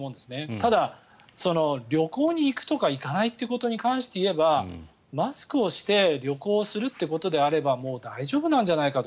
ただ、旅行に行くとか行かないとかいうことに関してはマスクをして旅行するということであればもう大丈夫なんじゃないかと。